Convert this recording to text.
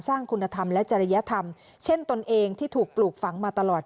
คุณธรรมและจริยธรรมเช่นตนเองที่ถูกปลูกฝังมาตลอด